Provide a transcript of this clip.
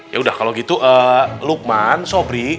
ya udah kalau gitu lukman sobri